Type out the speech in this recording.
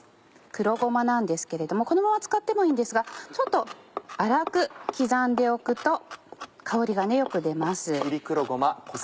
黒ごまなんですけれどもこのまま使ってもいいんですがちょっと粗く刻んでおくと香りがよく出ます。